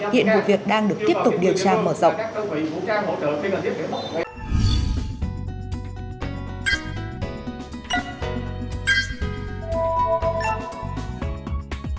hiện vụ việc đang được tiếp tục điều tra mở rộng